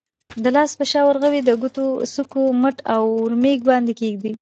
د لاس په شا، ورغوي، د ګوتو څوکو، مټ او اورمیږ باندې کېږدئ.